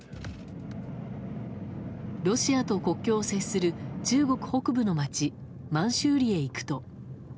ロシアと国境を接する中国北部の町、満州里へ行くと。